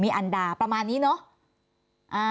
อันดาประมาณนี้เนอะ